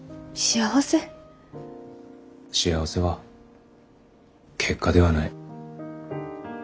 幸せは結果ではない。